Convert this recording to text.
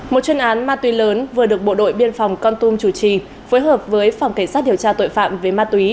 một chuyên án ma túy lớn vừa được bộ đội biên phòng con tum chủ trì phối hợp với phòng cảnh sát điều tra tội phạm về ma túy